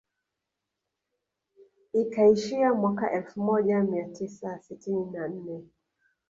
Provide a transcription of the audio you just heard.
Ikaishia mwaka elfu moja mia tisa sitini na nne